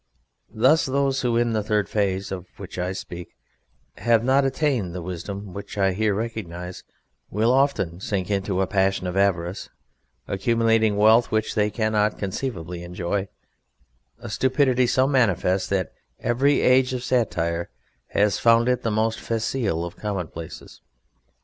Thus those who in the third phase of which I speak have not attained the wisdom which I here recognize will often sink into a passion of avarice, accumulating wealth which they cannot conceivably enjoy; a stupidity so manifest that every age of satire has found it the most facile of commonplaces.